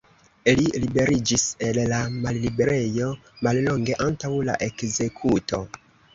Li liberiĝis el la malliberejo mallonge antaŭ la ekzekuto.